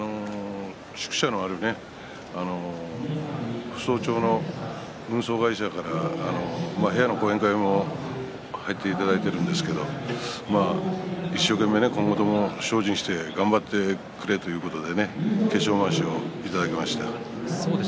宿舎のある扶桑町の運送会社から部屋の後援会に入っていただいているんですが一生懸命、今後とも精進して頑張ってくれということで化粧まわしをいただきました。